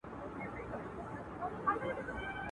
تر ملاغې ئې لاستی دروند سو.